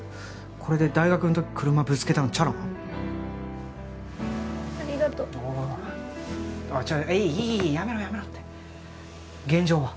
これで大学の時車ぶつけたのチャラなありがとうおおちょっいいいいやめろやめろって現状は？